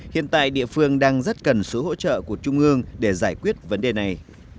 hiện tại địa phương đang rất cần sự hỗ trợ của trung ương để giải quyết vấn đề này